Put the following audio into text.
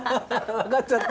分かっちゃった？